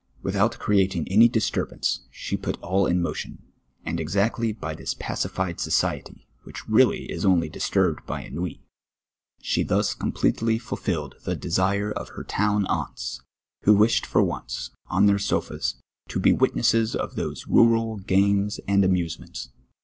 AN'ithout creatin<r any disturbance, she put all in motion, and exactly by this iiacihed societv. which reidly is only disturbed by cnfiui. She thus comi)letely fulfilled 40G TllUTII AND POETRY ; FROM MY OWN LIFE. till' (U'^iro of her town aunts, vvlio wished for once, on their sofas, to be witnesses of those rural }z;ames and amusements.